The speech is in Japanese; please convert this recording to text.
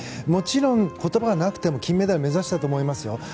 もちろん、言葉はなくても金メダルを目指したと思いますよ。